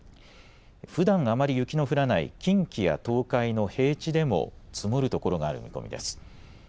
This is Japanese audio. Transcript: ふだん、あまり雪の降らない近畿や東海の平地でも積もる所がある見込みです。